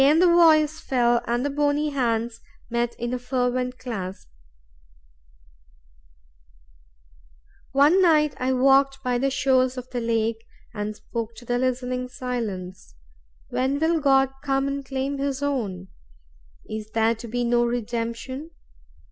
Again the voice fell, and the bony hands met in a fervent clasp. "One night I walked by the shores of the lake, and spoke to the listening silence, 'When will God come and claim his own? Is there to be no redemption?